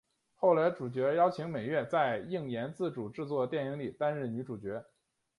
后来主角邀请美月在映研自主制作电影里担任女主角。